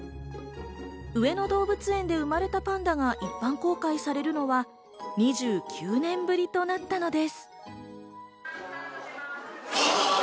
上野動物園で生まれたパンダが一般公開されるのは２９年ぶりとなったのです。